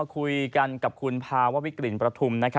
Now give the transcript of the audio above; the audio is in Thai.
มาคุยกันกับคุณพาววิกฤรินประธุมภิมธ์